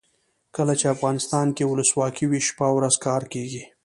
کله چې افغانستان کې ولسواکي وي شپه او ورځ کار کیږي.